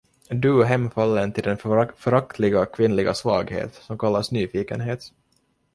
Du hemfallen till den föraktliga kvinnliga svaghet, som kallas nyfikenhet!